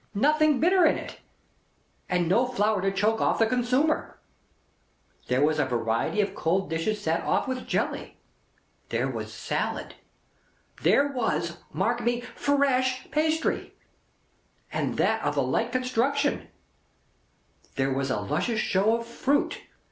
nothing bitter in it, and no flour to choke off the consumer; there was a variety of cold dishes set off with jelly; there was salad; there was—mark me!—fresh pastry, and that of a light construction; there was a luscious show of fruit.